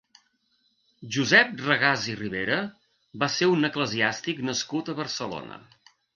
Josep Regàs i Ribera va ser un eclesiàstic nascut a Barcelona.